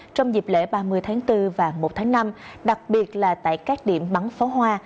trong dịp lễ ba mươi tháng bốn và một tháng năm đặc biệt là tại các điểm bắn pháo hoa